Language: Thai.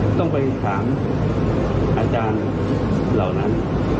ต้องไปถามอาจารย์เหล่านั้น